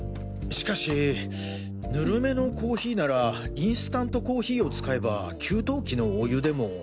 しかしぬるめのコーヒーならインスタントコーヒーを使えば給湯器のお湯でも。